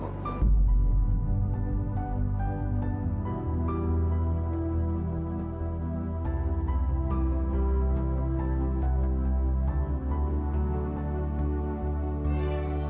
aku gak mau